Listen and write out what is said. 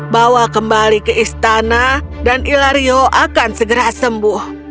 bawa kembali ke istana dan ilario akan segera sembuh